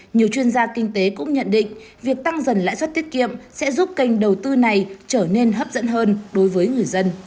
nhiều chuyên gia kinh tế cũng nhận định việc tăng dần lãi suất tiết kiệm sẽ giúp kênh đầu tư này trở nên hấp dẫn hơn đối với người dân